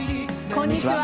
こんにちは。